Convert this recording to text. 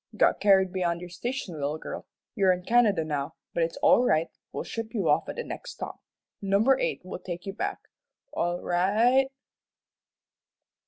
"Got carried beyond your station, little girl. You're in Canada now, but it's all right; we'll ship you off at the next stop. Number eight will take you back. All ri i i ght."